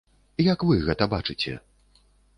Як вы гэта бачыце?